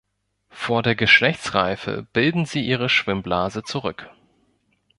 Vor der Geschlechtsreife bilden sie ihre Schwimmblase zurück.